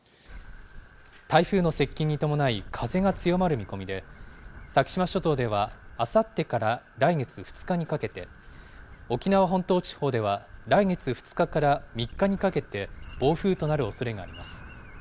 台風の接近に伴い、風が強まる見込みで、先島諸島ではあさってから来月２日にかけて、沖縄本島地方では来月２日から３日にかけて、暴風となるおそれがあります。